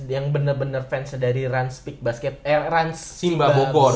yang bener bener fansnya dari rans pick basket eh rans simba bogor